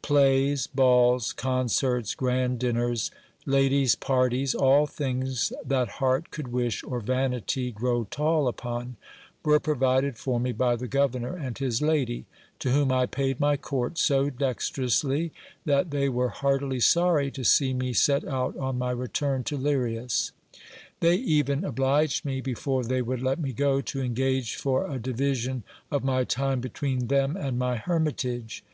Plays, balls, concerts, grand dinners, ladies' parties, all things that heart could wish or vanity grow tall upon, were provided for me by the governor and his lady, to whom I paid my court so dexterously, that they were heartily sorry to see me set out on my return to Lirias. They even obliged me, before they would let me go, to engage for a division of my time between them and my hermitage.